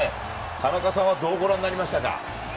田中さんはどうご覧になりましたか？